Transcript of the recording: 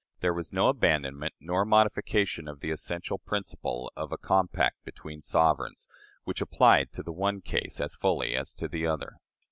There was no abandonment nor modification of the essential principle of a compact between sovereigns, which applied to the one case as fully as to the other.